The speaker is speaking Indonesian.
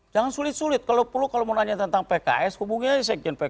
jangan sulit sulit kalau perlu kalau mau nanya tentang pks hubungi aja sekjen pks